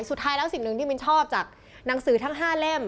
สุดท้ายแล้วสิ่งหนึ่งที่มินชอบจากหนังสือทั้ง๕เล่ม